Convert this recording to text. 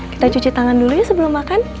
kita cuci tangan dulu ya sebelum makan